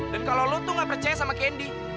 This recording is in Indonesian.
dan kalau lo tuh gak percaya sama candy